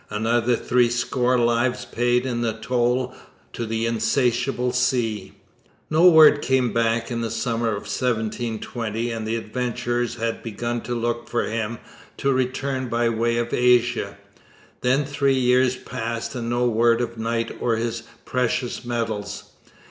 Another threescore lives paid in toll to the insatiable sea! No word came back in the summer of 1720, and the adventurers had begun to look for him to return by way of Asia. Then three years passed, and no word of Knight or his precious metals.